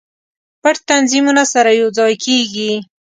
پټ تنظیمونه سره یو ځای کیږي.